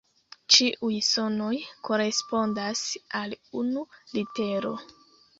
Ĉiuj sonoj korespondas al unu litero.